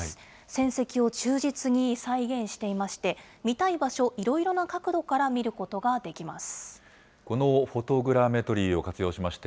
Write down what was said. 戦跡を忠実に再現していまして、見たい場所、いろいろな角度から見ることができます。